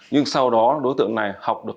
nhưng sau đó đối tượng này học được